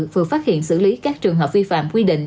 vừa phát hiện xử lý các trường hợp vi phạm quy định